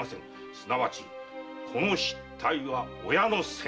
すなわち子の失態は親の責め。